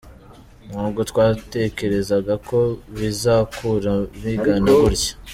Ntabwo twatekerezaga ko bizakura bingana gutya.